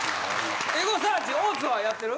エゴサーチ大津はやってる？